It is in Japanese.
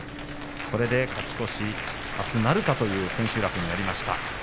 これで勝ち越し、あすなるかという千秋楽になりました。